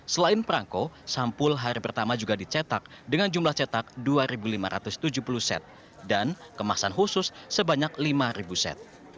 selain perangko sampul hari pertama juga dicetak dengan jumlah cetak dua lima ratus tujuh puluh set dan kemasan khusus sebanyak lima set